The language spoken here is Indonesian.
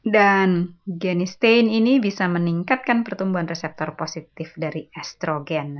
dan genistein ini bisa meningkatkan pertumbuhan reseptor positif dari estrogen